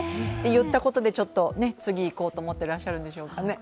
言ったことで、次、行こうと思っていらっしゃるんでしょうかね。